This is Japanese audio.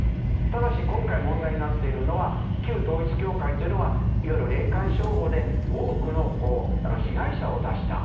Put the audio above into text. ただし今回問題になっているのは旧統一教会というのはいわゆる霊感商法で多くの被害者を出した。